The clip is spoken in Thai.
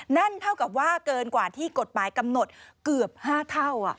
นั่นเท่ากับว่าเกินกว่าที่กฎหมายกำหนดเกือบ๕เท่า